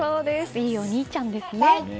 いいお兄ちゃんですね。